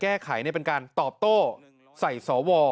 การเสนอการแก้ไขเป็นการตอบโต้ใส่สว